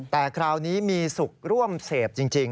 แต่คราวนี้มีสุขร่วมเสพจริง